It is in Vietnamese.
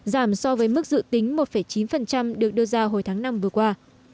giảm so với mức dự tính một chín được đưa ra hồi tháng năm vừa qua